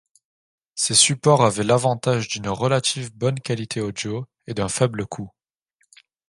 Ces supports avaient l'avantage d'une relative bonne qualité audio et d'un faible coût.